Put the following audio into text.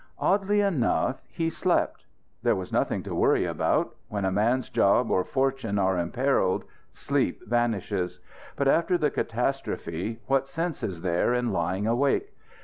Oddly enough, he slept. There was nothing to worry about. When a man's job or fortune are imperilled sleep vanishes. But after the catastrophe what sense is there in lying awake?